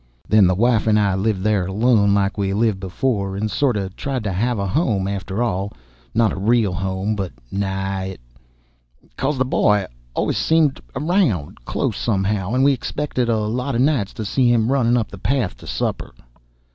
Then the wife and I lived there alone like we'd lived before, and sort of tried to have a home, after all, not a real home but nigh it cause the boy always seemed around close, somehow, and we expected a lot of nights to see him runnin' up the path to supper."